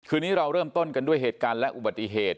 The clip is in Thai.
นี้เราเริ่มต้นกันด้วยเหตุการณ์และอุบัติเหตุ